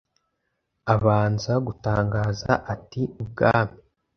Abanza gutangaza ati ubwami